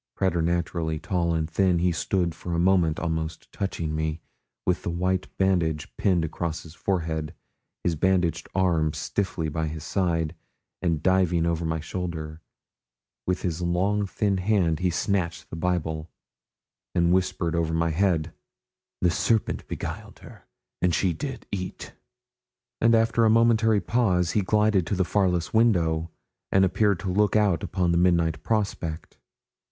Preternaturally tall and thin, he stood for a moment almost touching me, with the white bandage pinned across his forehead, his bandaged arm stiffly by his side, and diving over my shoulder, with his long thin hand he snatched the Bible, and whispered over my head 'The serpent beguiled her and she did eat;' and after a momentary pause, he glided to the farthest window, and appeared to look out upon the midnight prospect.